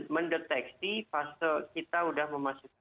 mendeteksi fase kita sudah memasuki